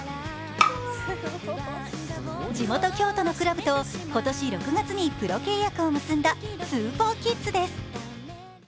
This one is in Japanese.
地元・京都のクラブと今年６月にプロ契約を結んだスーパーキッズです。